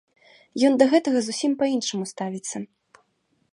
Ён да гэтага зусім па-іншаму ставіцца.